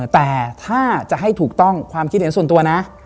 แต่ถ้าจะให้ถูกต้องความคิดเห็นส่วนตัวนะ